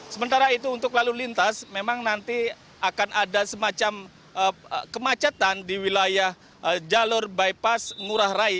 sementara itu untuk lalu lintas memang nanti akan ada semacam kemacetan di wilayah jalur bypass ngurah rai